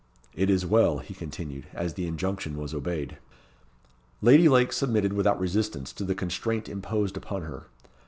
It is well," he continued, as the injunction was obeyed. Lady Lake submitted without resistance to the constraint imposed upon her.